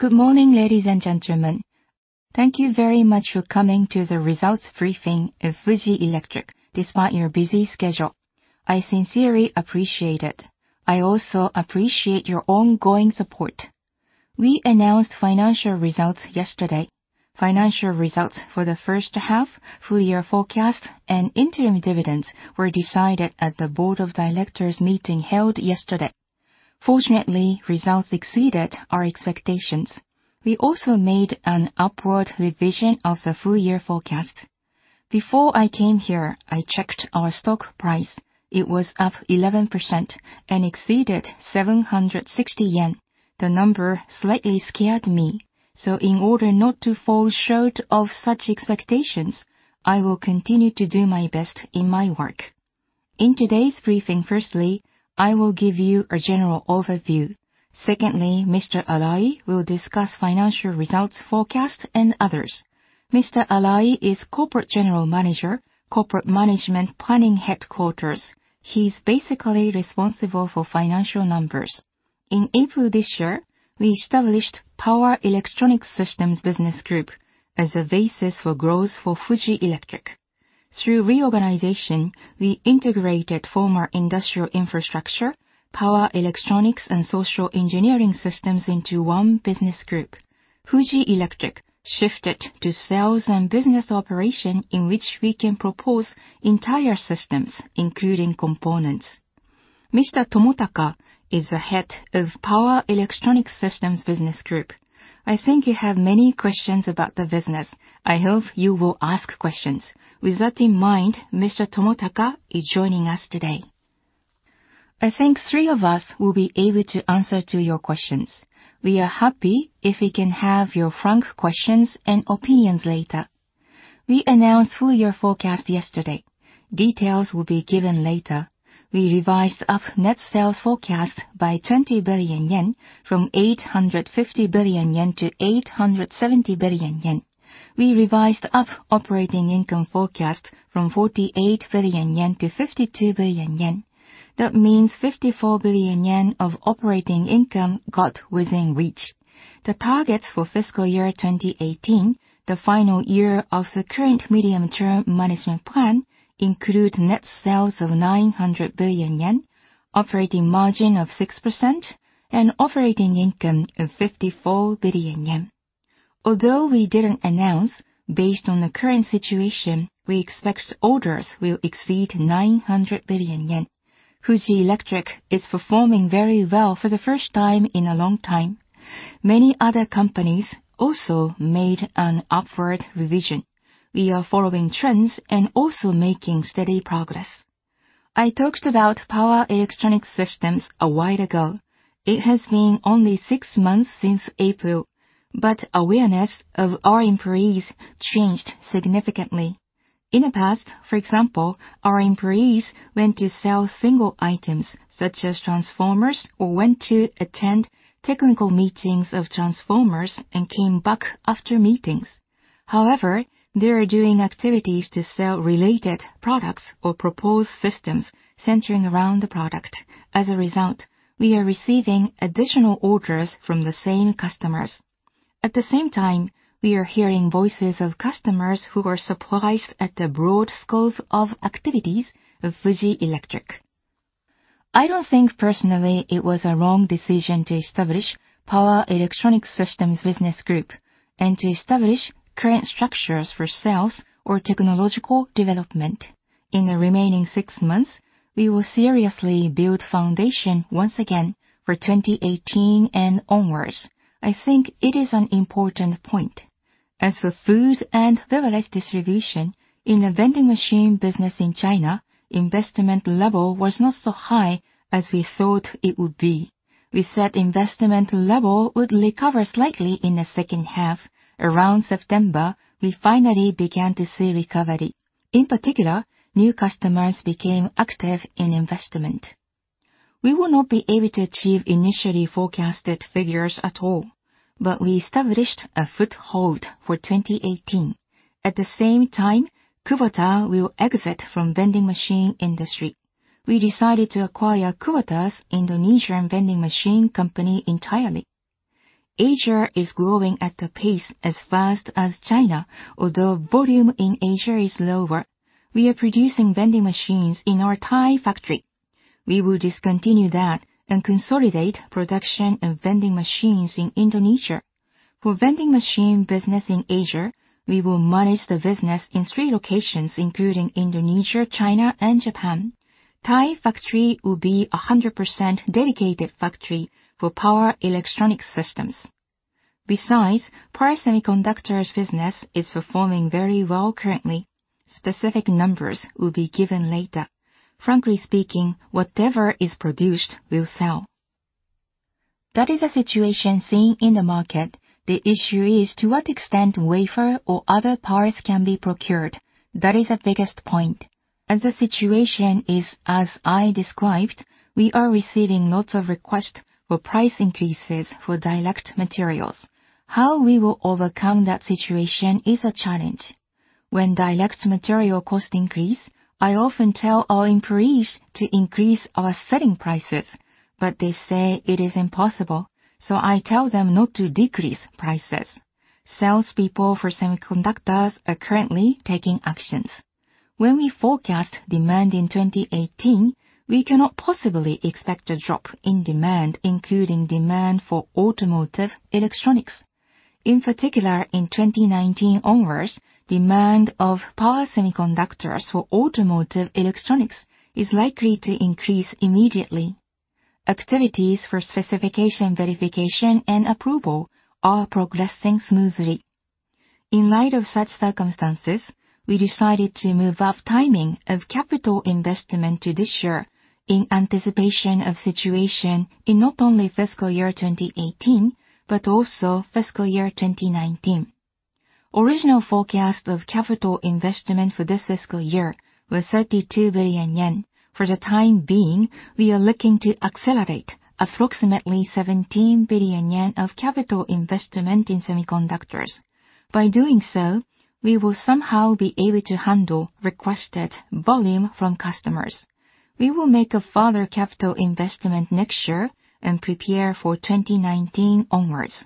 Good morning, ladies and gentlemen. Thank you very much for coming to the results briefing of Fuji Electric despite your busy schedule. I sincerely appreciate it. I also appreciate your ongoing support. We announced financial results yesterday. Financial results for the first half, full-year forecast, and interim dividends were decided at the Board of Directors meeting held yesterday. Fortunately, results exceeded our expectations. We also made an upward revision of the full-year forecast. Before I came here, I checked our stock price. It was up 11% and exceeded 760 yen. The number slightly scared me, in order not to fall short of such expectations, I will continue to do my best in my work. In today's briefing, firstly, I will give you a general overview. Secondly, Mr. Arai will discuss financial results forecast and others. Mr. Arai is Corporate General Manager, Corporate Management Planning Headquarters. He's basically responsible for financial numbers. In April this year, we established Power Electronic Systems Business Group as a basis for growth for Fuji Electric. Through reorganization, we integrated former industrial infrastructure, power electronics, and social engineering systems into one business group. Fuji Electric shifted to sales and business operation in which we can propose entire systems, including components. Mr. Tomotaka is the Head of Power Electronic Systems Business Group. I think you have many questions about the business. I hope you will ask questions. With that in mind, Mr. Tomotaka is joining us today. I think three of us will be able to answer to your questions. We are happy if we can have your frank questions and opinions later. We announced full-year forecast yesterday. Details will be given later. We revised up net sales forecast by 20 billion yen from 850 billion yen to 870 billion yen. We revised up operating income forecast from 48 billion yen to 52 billion yen. That means 54 billion yen of operating income got within reach. The targets for fiscal year 2018, the final year of the current medium-term management plan, include net sales of 900 billion yen, operating margin of 6%, and operating income of 54 billion yen. Although we didn't announce, based on the current situation, we expect orders will exceed 900 billion yen. Fuji Electric is performing very well for the first time in a long time. Many other companies also made an upward revision. We are following trends and also making steady progress. I talked about Power Electronic Systems a while ago. It has been only six months since April, awareness of our employees changed significantly. In the past, for example, our employees went to sell single items such as transformers or went to attend technical meetings of transformers and came back after meetings. They are doing activities to sell related products or propose systems centering around the product. As a result, we are receiving additional orders from the same customers. At the same time, we are hearing voices of customers who are surprised at the broad scope of activities of Fuji Electric. I don't think personally it was a wrong decision to establish Power Electronic Systems Business Group and to establish current structures for sales or technological development. In the remaining six months, we will seriously build foundation once again for 2018 and onwards. I think it is an important point. As for Food and Beverage Distribution, in the vending machine business in China, investment level was not so high as we thought it would be. We said investment level would recover slightly in the second half. Around September, we finally began to see recovery. In particular, new customers became active in investment. We will not be able to achieve initially forecasted figures at all, but we established a foothold for 2018. At the same time, Kubota will exit from vending machine industry. We decided to acquire Kubota's Indonesian vending machine company entirely. Asia is growing at a pace as fast as China, although volume in Asia is lower. We are producing vending machines in our Thai factory. We will discontinue that and consolidate production of vending machines in Indonesia. For vending machine business in Asia, we will manage the business in three locations, including Indonesia, China, and Japan. Thai factory will be 100% dedicated factory for Power Electronics Systems. Besides, power Semiconductors business is performing very well currently. Specific numbers will be given later. Frankly speaking, whatever is produced, we will sell. That is a situation seen in the market. The issue is to what extent wafer or other parts can be procured. That is the biggest point. As the situation is as I described, we are receiving lots of requests for price increases for direct materials. How we will overcome that situation is a challenge. When direct material cost increase, I often tell our employees to increase our selling prices, but they say it is impossible, so I tell them not to decrease prices. Salespeople for Semiconductors are currently taking actions. When we forecast demand in 2018, we cannot possibly expect a drop in demand, including demand for automotive electronics. In particular, in 2019 onwards, demand of power Semiconductors for automotive electronics is likely to increase immediately. Activities for specification verification and approval are progressing smoothly. In light of such circumstances, we decided to move up timing of capital investment to this year in anticipation of situation in not only fiscal year 2018, but also fiscal year 2019. Original forecast of capital investment for this fiscal year was 32 billion yen. For the time being, we are looking to accelerate approximately 17 billion yen of capital investment in Semiconductors. By doing so, we will somehow be able to handle requested volume from customers. We will make a further capital investment next year and prepare for 2019 onwards.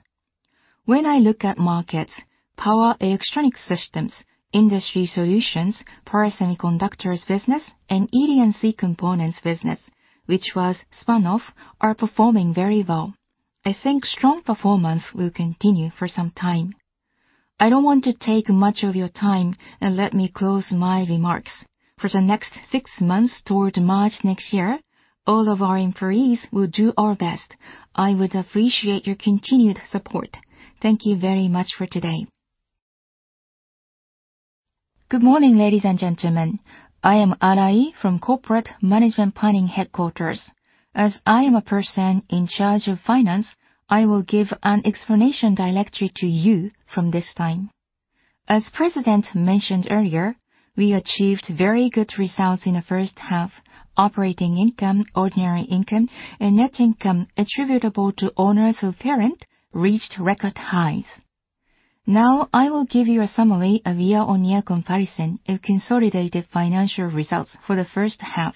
When I look at markets, Power Electronics Systems, Industry Solutions, power Semiconductors business, and ED&C Components business, which was spun off, are performing very well. I think strong performance will continue for some time. I do not want to take much of your time, and let me close my remarks. For the next six months toward March next year, all of our employees will do our best. I would appreciate your continued support. Thank you very much for today. Good morning, ladies and gentlemen. I am Arai from Corporate Management Planning Headquarters. As I am a person in charge of finance, I will give an explanation directly to you from this time. As President mentioned earlier, we achieved very good results in the first half. Operating income, ordinary income, and net income attributable to owners of parent reached record highs. Now, I will give you a summary of year-on-year comparison of consolidated financial results for the first half.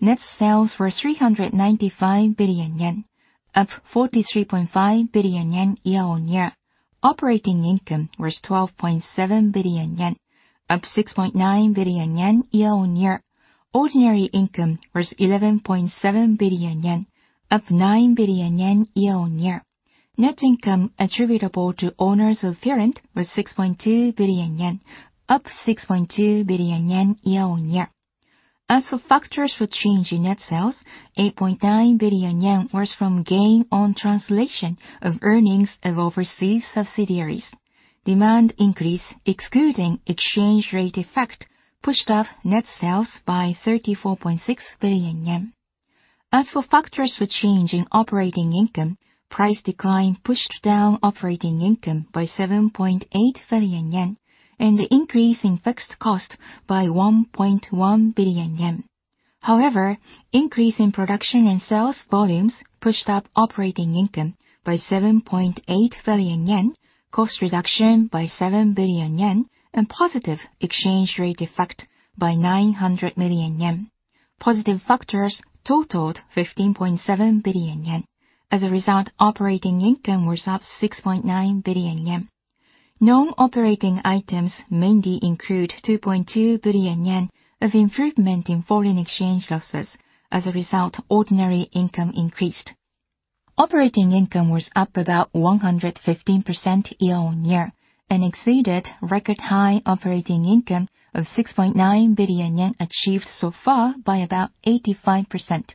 Net sales were 395 billion yen, up 43.5 billion yen year-on-year. Operating income was 12.7 billion yen, up 6.9 billion yen year-on-year. Ordinary income was 11.7 billion yen, up 9 billion yen year-on-year. Net income attributable to owners of parent was 6.2 billion yen, up 6.2 billion yen year-on-year. As for factors for change in net sales, 8.9 billion yen was from gain on translation of earnings of overseas subsidiaries. Demand increase, excluding exchange rate effect, pushed up net sales by 34.6 billion yen. As for factors for change in operating income, price decline pushed down operating income by 7.8 billion yen and the increase in fixed cost by 1.1 billion yen. Increase in production and sales volumes pushed up operating income by 7.8 billion yen, cost reduction by 7 billion yen, and positive exchange rate effect by 900 million yen. Positive factors totaled 15.7 billion yen. As a result, operating income was up 6.9 billion yen. Non-operating items mainly include 2.2 billion yen of improvement in foreign exchange losses. As a result, ordinary income increased. Operating income was up about 115% year-on-year and exceeded record high operating income of 6.9 billion yen achieved so far by about 85%.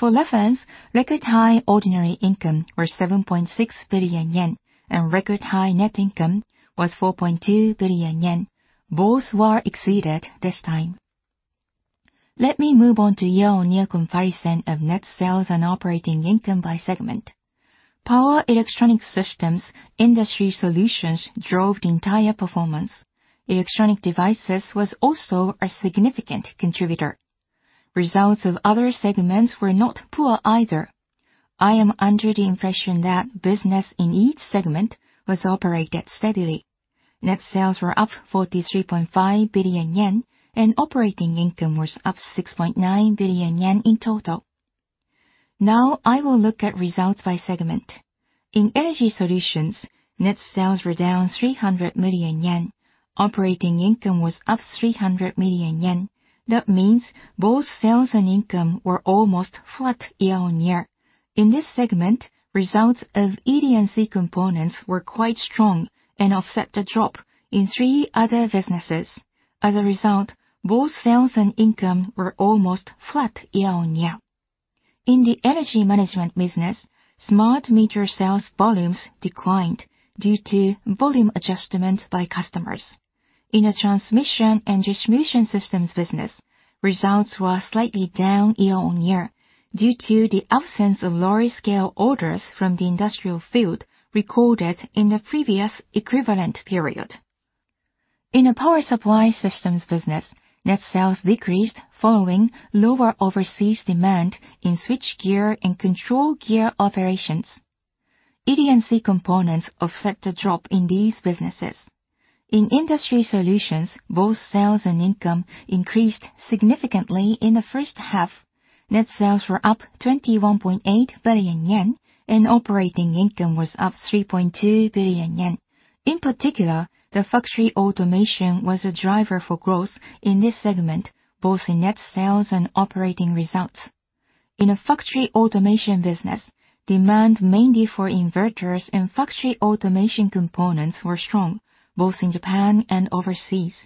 For reference, record high ordinary income was 7.6 billion yen, and record high net income was 4.2 billion yen. Both were exceeded this time. Let me move on to year-on-year comparison of net sales and operating income by segment. Power Electronics Systems - Industry Solutions drove the entire performance. Electronic Devices was also a significant contributor. Results of other segments were not poor either. I am under the impression that business in each segment was operated steadily. Net sales were up 43.5 billion yen, and operating income was up 6.9 billion yen in total. I will look at results by segment. In Energy Solutions, net sales were down 300 million yen. Operating income was up 300 million yen. That means both sales and income were almost flat year-on-year. In this segment, results of ED&C Components were quite strong and offset the drop in three other businesses. As a result, both sales and income were almost flat year-on-year. In the Energy Management business, smart meter sales volumes declined due to volume adjustment by customers. In the Transmission and Distribution Systems business, results were slightly down year-on-year due to the absence of large-scale orders from the industrial field recorded in the previous equivalent period. In the Power Supply Systems business, net sales decreased following lower overseas demand in switchgear and controlgear operations. ED&C Components affect the drop in these businesses. In Industry Solutions, both sales and income increased significantly in the first half. Net sales were up 21.8 billion yen, and operating income was up 3.2 billion yen. In particular, the Factory Automation was a driver for growth in this segment, both in net sales and operating results. In a Factory Automation business, demand mainly for inverters and factory automation components were strong, both in Japan and overseas.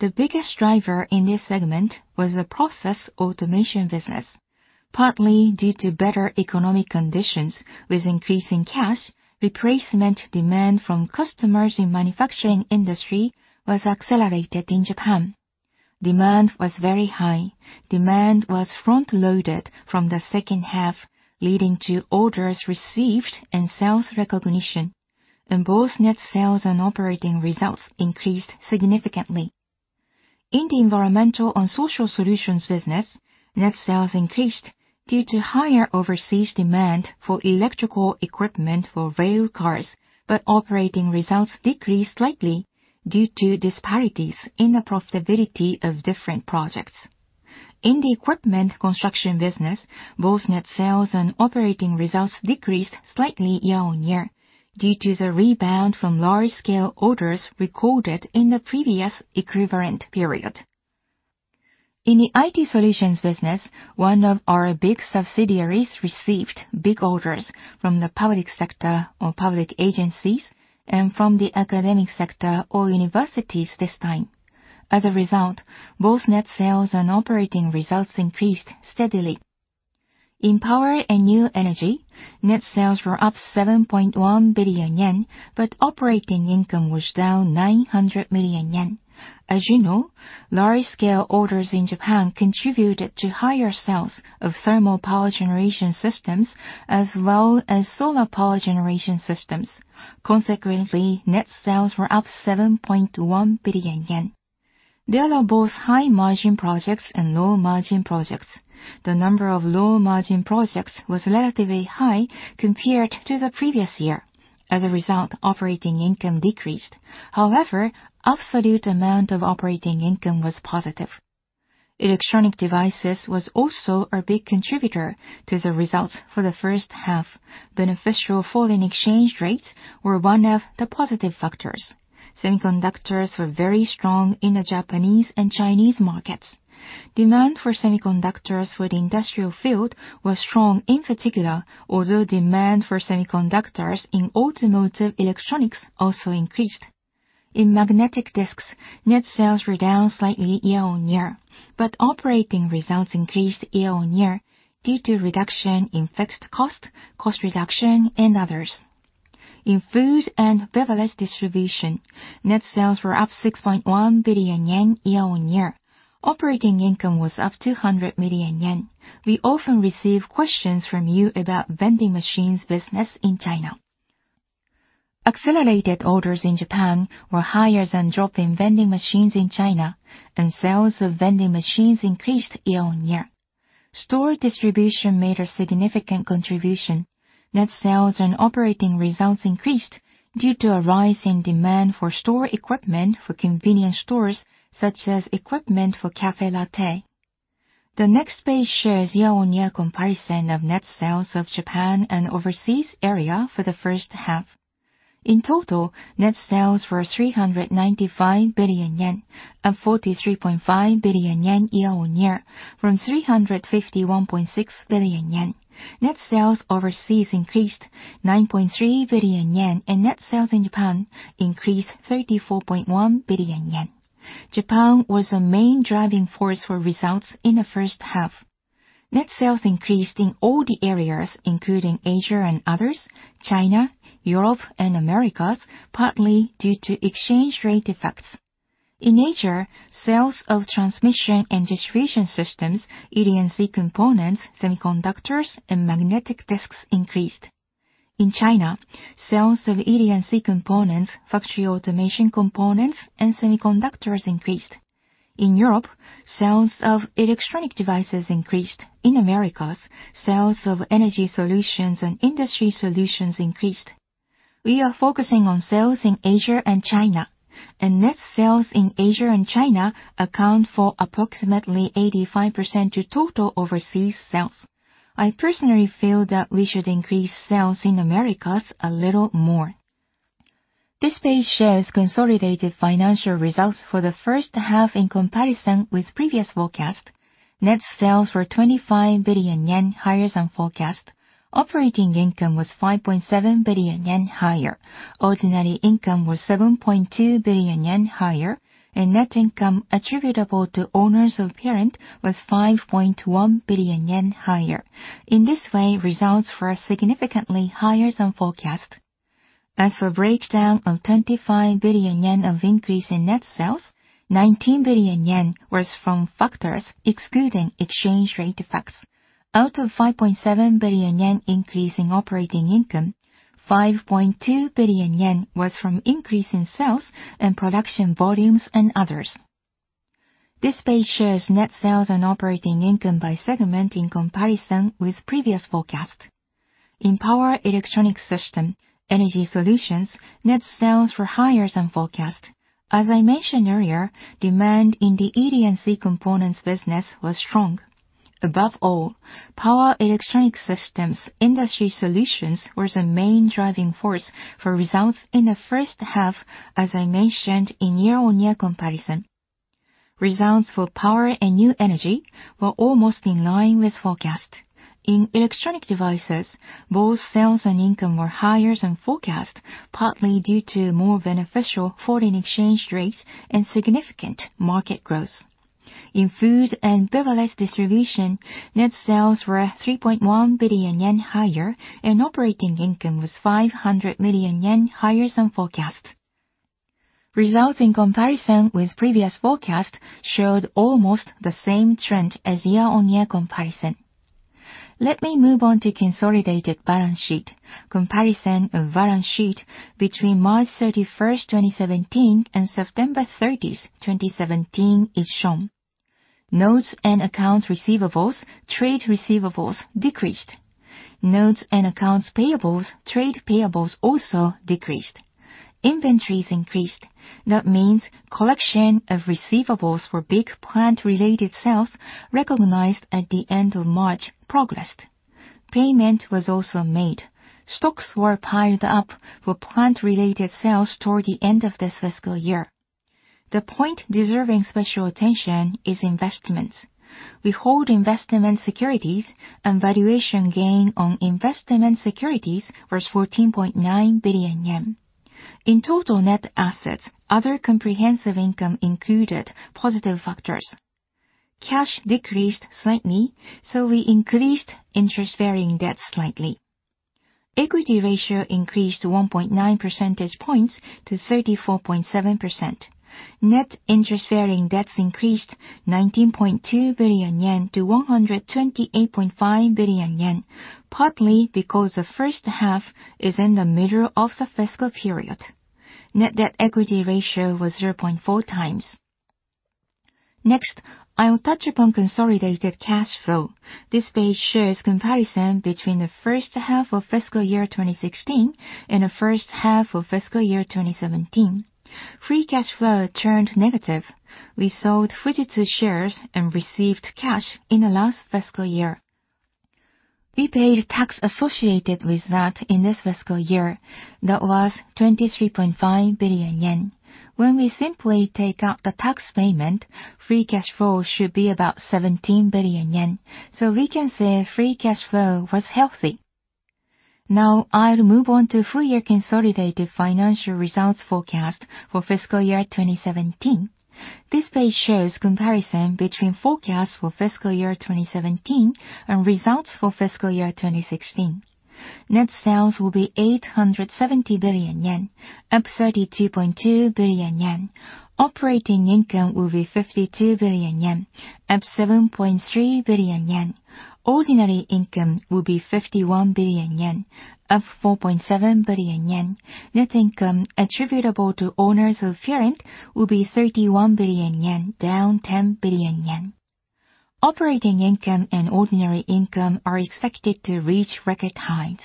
The biggest driver in this segment was the Process Automation business, partly due to better economic conditions with increasing cash, replacement demand from customers in manufacturing industry was accelerated in Japan. Demand was very high. Demand was front-loaded from the second half, leading to orders received and sales recognition. Both net sales and operating results increased significantly. In the Environmental and Social Solutions business, net sales increased due to higher overseas demand for electrical equipment for rail cars, but operating results decreased slightly due to disparities in the profitability of different projects. In the Equipment Construction business, both net sales and operating results decreased slightly year-on-year due to the rebound from large-scale orders recorded in the previous equivalent period. In the IT Solutions business, one of our big subsidiaries received big orders from the public sector or public agencies and from the academic sector or universities this time. As a result, both net sales and operating results increased steadily. In Power and New Energy, net sales were up 7.1 billion yen, but operating income was down 900 million yen. As you know, large-scale orders in Japan contributed to higher sales of thermal power generation systems as well as solar power generation systems. Consequently, net sales were up 7.1 billion yen. There are both high margin projects and low margin projects. The number of low margin projects was relatively high compared to the previous year. As a result, operating income decreased. Absolute amount of operating income was positive. Electronic Devices was also a big contributor to the results for the first half. Beneficial foreign exchange rates were one of the positive factors. Semiconductors were very strong in the Japanese and Chinese markets. Demand for Semiconductors for the industrial field was strong in particular, although demand for Semiconductors in automotive electronics also increased. In Magnetic Disks, net sales were down slightly year-on-year, but operating results increased year-on-year due to reduction in fixed cost reduction and others. In Food and Beverage Distribution, net sales were up 6.1 billion yen year-on-year. Operating income was up 200 million yen. We often receive questions from you about vending machines business in China. Accelerated orders in Japan were higher than drop in vending machines in China, and sales of vending machines increased year-on-year. Store Distribution made a significant contribution. Net sales and operating results increased due to a rise in demand for store equipment for convenience stores such as equipment for cafe latte. The next page shares year-on-year comparison of net sales of Japan and overseas area for the first half. In total, net sales were 395 billion yen and 43.5 billion yen year-on-year from 351.6 billion yen. Net sales overseas increased 9.3 billion yen, and net sales in Japan increased 34.1 billion yen. Japan was a main driving force for results in the first half. Net sales increased in all the areas, including Asia and others, China, Europe and Americas, partly due to exchange rate effects. In Asia, sales of transmission and distribution systems, ED&C Components, Semiconductors, and Magnetic Disks increased. In China, sales of ED&C Components, factory automation components, and Semiconductors increased. In Europe, sales of Electronic Devices increased. In Americas, sales of Energy Solutions and Industry Solutions increased. We are focusing on sales in Asia and China, and net sales in Asia and China account for approximately 85% to total overseas sales. I personally feel that we should increase sales in Americas a little more. This page shares consolidated financial results for the first half in comparison with previous forecast. Net sales were 25 billion yen higher than forecast. Operating income was 5.7 billion yen higher. Ordinary income was 7.2 billion yen higher, and net income attributable to owners of parent was 5.1 billion yen higher. In this way, results were significantly higher than forecast. As for breakdown of 25 billion yen of increase in net sales, 19 billion yen was from factors excluding exchange rate effects. Out of 5.7 billion yen increase in operating income, 5.2 billion yen was from increase in sales and production volumes and others. This page shows net sales and operating income by segment in comparison with previous forecast. In Power Electronics Systems - Energy Solutions, net sales were higher than forecast. As I mentioned earlier, demand in the ED&C Components business was strong. Above all, Power Electronics Systems - Industry Solutions was a main driving force for results in the first half, as I mentioned in year-on-year comparison. Results for Power and New Energy were almost in line with forecast. In Electronic Devices, both sales and income were higher than forecast, partly due to more beneficial foreign exchange rates and significant market growth. In Food and Beverage Distribution, net sales were 3.1 billion yen higher, and operating income was 500 million yen higher than forecast. Results in comparison with previous forecast showed almost the same trend as year-on-year comparison. Let me move on to consolidated balance sheet. Comparison of balance sheet between March 31st, 2017, and September 30th, 2017, is shown. Notes and accounts receivables, trade receivables decreased. Notes and accounts payables, trade payables also decreased. Inventories increased. That means collection of receivables for big plant-related sales recognized at the end of March progressed. Payment was also made. Stocks were piled up for plant-related sales toward the end of this fiscal year. The point deserving special attention is investments. We hold investment securities, and valuation gain on investment securities was 14.9 billion yen. In total net assets, other comprehensive income included positive factors. Cash decreased slightly, so we increased interest-bearing debt slightly. Equity ratio increased 1.9 percentage points to 34.7%. Net interest-bearing debts increased 19.2 billion yen to 128.5 billion yen, partly because the first half is in the middle of the fiscal period. Net debt to equity ratio was 0.4 times. Next, I'll touch upon consolidated cash flow. This page shows comparison between the first half of fiscal year 2016 and the first half of fiscal year 2017. Free cash flow turned negative. We sold Fujitsu shares and received cash in the last fiscal year. We paid tax associated with that in this fiscal year. That was 23.5 billion yen. When we simply take out the tax payment, free cash flow should be about 17 billion yen. We can say free cash flow was healthy. Now, I'll move on to full year consolidated financial results forecast for fiscal year 2017. This page shows comparison between forecast for fiscal year 2017 and results for fiscal year 2016. Net sales will be 870 billion yen, up 32.2 billion yen. Operating income will be 52 billion yen, up 7.3 billion yen. Ordinary income will be 51 billion yen, up 4.7 billion yen. Net income attributable to owners of parent will be 31 billion yen, down 10 billion yen. Operating income and ordinary income are expected to reach record highs.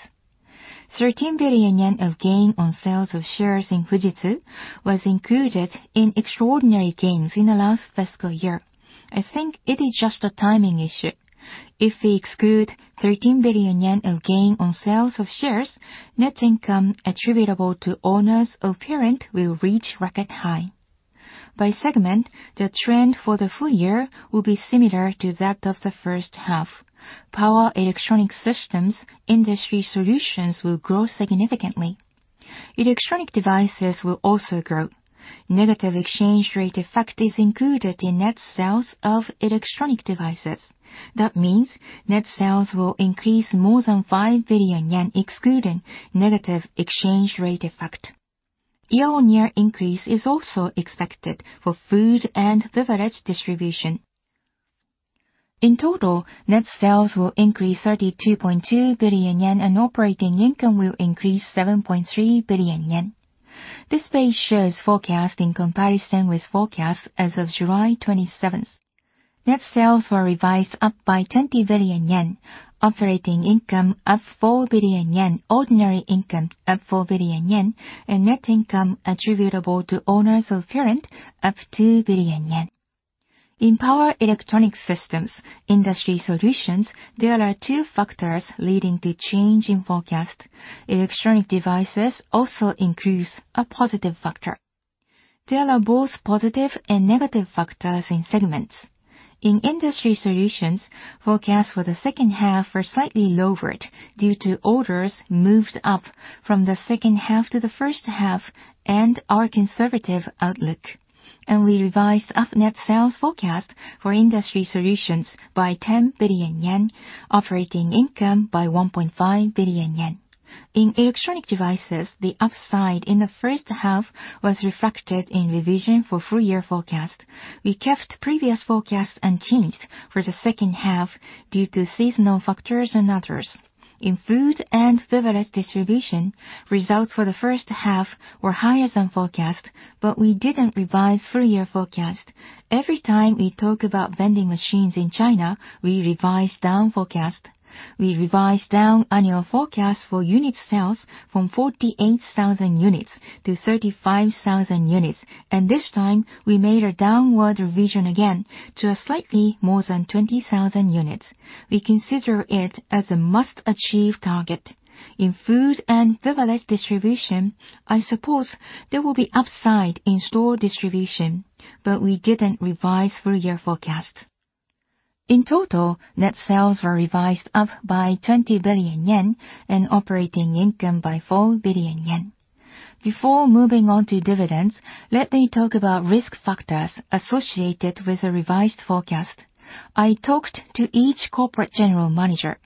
13 billion yen of gain on sales of shares in Fujitsu was included in extraordinary gains in the last fiscal year. I think it is just a timing issue. If we exclude 13 billion yen of gain on sales of shares, net income attributable to owners of parent will reach record high. By segment, the trend for the full year will be similar to that of the first half. Power Electronics Systems - Industry Solutions will grow significantly. Electronic Devices will also grow. Negative exchange rate effect is included in net sales of Electronic Devices. That means net sales will increase more than 5 billion yen excluding negative exchange rate effect. Year-on-year increase is also expected for Food and Beverage Distribution. In total, net sales will increase 32.2 billion yen, and operating income will increase 7.3 billion yen. This page shows forecast in comparison with forecast as of July 27th. Net sales were revised up by 20 billion yen, operating income up 4 billion yen, ordinary income up 4 billion yen, and net income attributable to owners of parent up 2 billion yen. In Power Electronics Systems - Industry Solutions, there are two factors leading to change in forecast. Electronic Devices also includes a positive factor. There are both positive and negative factors in segments. In Industry Solutions, forecasts for the second half were slightly lowered due to orders moved up from the second half to the first half and our conservative outlook. We revised up net sales forecast for Industry Solutions by 10 billion yen, operating income by 1.5 billion yen. In Electronic Devices, the upside in the first half was reflected in revision for full year forecast. We kept previous forecasts unchanged for the second half due to seasonal factors and others. In Food and Beverage Distribution, results for the first half were higher than forecast, but we didn't revise full-year forecast. Every time we talk about vending machines in China, we revise down forecast. We revised down annual forecast for unit sales from 48,000 units to 35,000 units, and this time we made a downward revision again to a slightly more than 20,000 units. We consider it as a must-achieve target. In Food and Beverage Distribution, I suppose there will be upside in Store Distribution, but we didn't revise full-year forecast. In total, net sales were revised up by 20 billion yen and operating income by 4 billion yen. Before moving on to dividends, let me talk about risk factors associated with a revised forecast. I talked to each Corporate General Manager.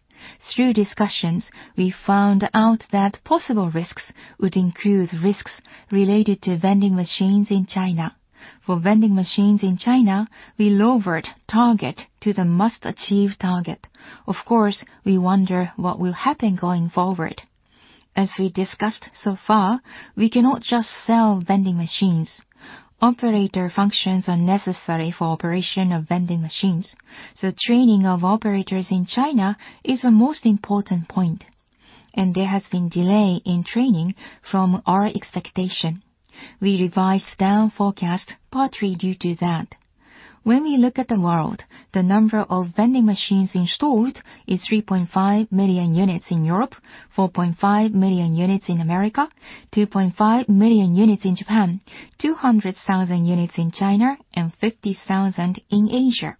Through discussions, we found out that possible risks would include risks related to vending machines in China. For vending machines in China, we lowered target to the must-achieve target. Of course, we wonder what will happen going forward. As we discussed so far, we cannot just sell vending machines. Operator functions are necessary for operation of vending machines, so training of operators in China is the most important point, and there has been delay in training from our expectation. We revised down forecast partly due to that. When we look at the world, the number of vending machines installed is 3.5 million units in Europe, 4.5 million units in America, 2.5 million units in Japan, 200,000 units in China, and 50,000 in Asia.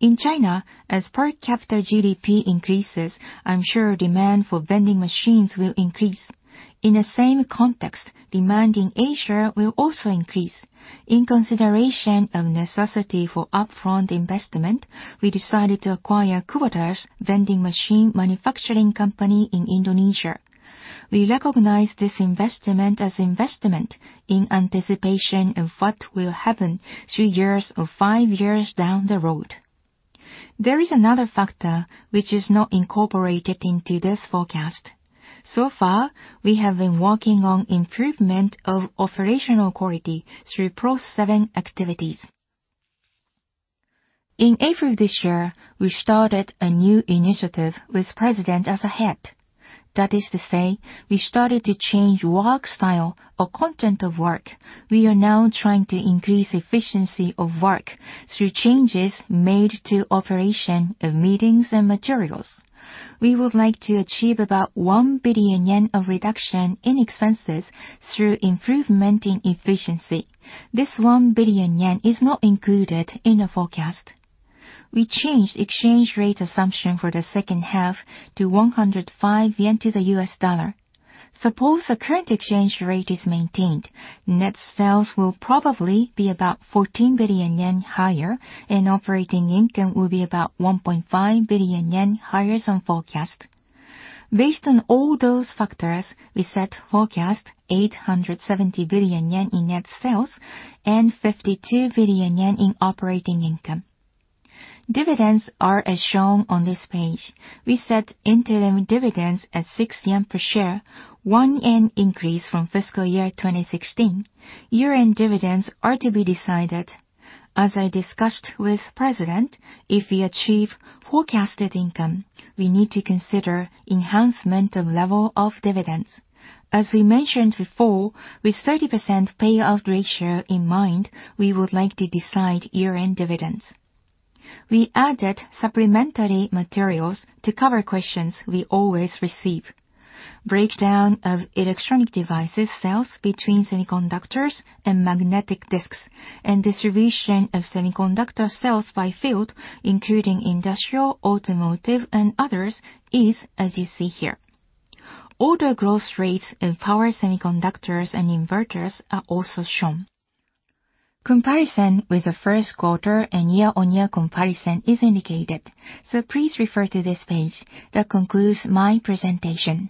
In China, as per capita GDP increases, I'm sure demand for vending machines will increase. In the same context, demand in Asia will also increase. In consideration of necessity for upfront investment, we decided to acquire Kubota's vending machine manufacturing company in Indonesia. We recognize this investment as investment in anticipation of what will happen three years or five years down the road. There is another factor which is not incorporated into this forecast. So far, we have been working on improvement of operational quality through process seven activities. In April this year, we started a new initiative with president as a head. We started to change work style or content of work. We are now trying to increase efficiency of work through changes made to operation of meetings and materials. We would like to achieve about 1 billion yen of reduction in expenses through improvement in efficiency. This 1 billion yen is not included in the forecast. We changed exchange rate assumption for the second half to 105 yen to the US dollar. Suppose the current exchange rate is maintained. Net sales will probably be about 14 billion yen higher, and operating income will be about 1.5 billion yen higher than forecast. Based on all those factors, we set forecast 870 billion yen in net sales and 52 billion yen in operating income. Dividends are as shown on this page. We set interim dividends at 6 yen per share, 1 yen increase from fiscal year 2016. Year-end dividends are to be decided. As I discussed with President, if we achieve forecasted income, we need to consider enhancement of level of dividends. As we mentioned before, with 30% payout ratio in mind, we would like to decide year-end dividends. We added supplementary materials to cover questions we always receive. Breakdown of Electronic Devices sales between Semiconductors and Magnetic Disks, and distribution of semiconductor sales by field, including industrial, automotive, and others, is as you see here. Order growth rates and power Semiconductors and inverters are also shown. Comparison with the first quarter and year-on-year comparison is indicated. Please refer to this page. That concludes my presentation.